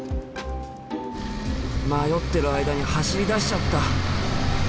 迷ってる間に走りだしちゃった！